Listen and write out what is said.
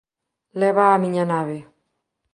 Lévaa á miña nave.